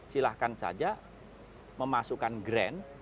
silahkan saja memasukkan grant